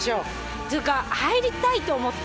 っていうか入りたいと思った。